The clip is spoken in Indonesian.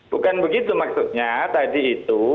bukan begitu maksudnya tadi itu